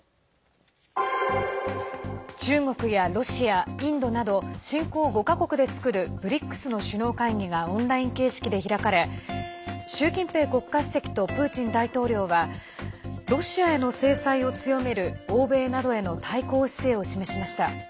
中国やロシア、インドなど新興５か国で作るＢＲＩＣＳの首脳会議がオンライン形式で開かれ習近平国家主席とプーチン大統領はロシアへの制裁を強める欧米などへの対抗姿勢を示しました。